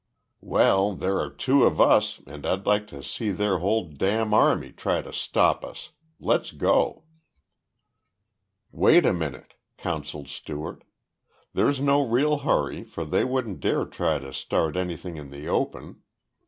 "Well, there are two of us and I'd like to see their whole dam' army try to stop us. Let's go!" "Wait a minute," counseled Stewart. "There's no real hurry, for they wouldn't dare try to start anything in the open.